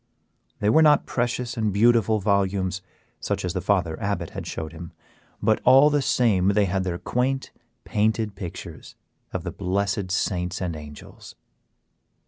They were not precious and beautiful volumes, such as the Father Abbot had showed him, but all the same they had their quaint painted pictures of the blessed saints and angels.